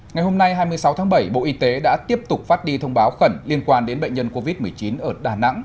ngày hôm nay hai mươi sáu tháng bảy bộ y tế đã tiếp tục phát đi thông báo khẩn liên quan đến bệnh nhân covid một mươi chín ở đà nẵng